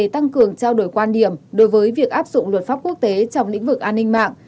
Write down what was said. tăng cường trao đổi quan điểm đối với việc áp dụng luật pháp quốc tế trong lĩnh vực an ninh mạng